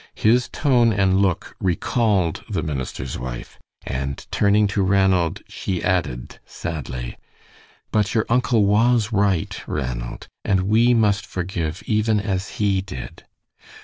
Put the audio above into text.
His tone and look recalled the minister's wife, and turning to Ranald, she added, sadly: "But your uncle was right, Ranald, and we must forgive even as he did."